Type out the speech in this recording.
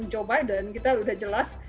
joe biden kita sudah jelas